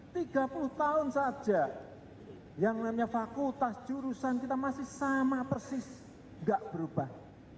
tiga puluh tahun saja yang namanya fakultas jurusan kita masih sama persis nggak berubah